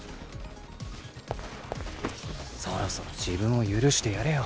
そろそろ自分を許してやれよ。